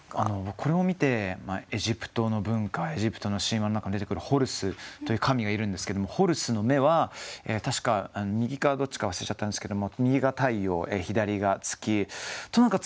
これを見てエジプトの文化エジプトの神話の中に出てくるホルスという神がいるんですけどもホルスの目は確か右かどっちか忘れちゃったんですけども右が太陽左が月と何かつながってるんじゃないのかなって。